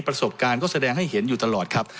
ประสบการณ์ก็แสดงให้เห็นอยู่ตลอดครับ